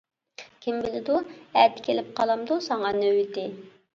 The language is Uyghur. كىم بىلىدۇ؟ ئەتە كېلىپ قالامدۇ ساڭا نۆۋىتى.